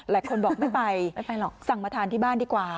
หลายคนบอกไม่ไปไม่ไปหรอกสั่งมาทานที่บ้านดีกว่า